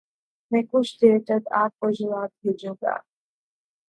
میں کچھ دیر تک آپ کو جواب بھیجوں گا۔۔۔